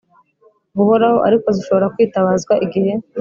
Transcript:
buhoraho ariko zishobora kwitabazwa igihe